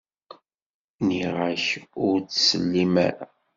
Nniɣ-ak-d ur ttsellim ara.